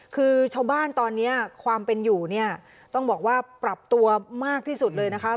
คือชาวบ้านตอนนี้ความเป็นอยู่เนี่ยต้องบอกว่าปรับตัวมากที่สุดเลยนะคะ